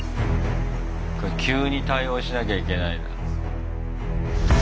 急に対応しなきゃいけないんだ。